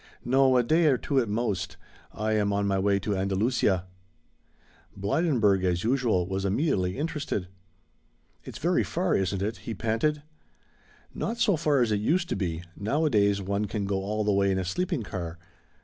"No, a day or two at most; I am on my way to Andalucia." Blydenburg, as usual, was immediately interested. "It's very far, isn't it?" he panted. "Not so far as it used to be. Nowadays one can go all the way in a sleeping car.